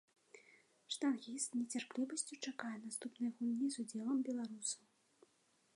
Штангіст з нецярплівасцю чакае наступнай гульні з удзелам беларусаў.